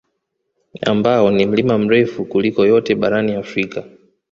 Ambao ni mlima mrefu kuliko yote barani Afrika